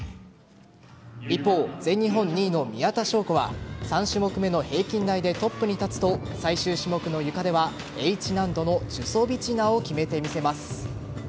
一方、全日本２位の宮田笙子は３種目目の平均台でトップに立つと最終種目の床ではＨ難度のチュソビチナを決めてみせます。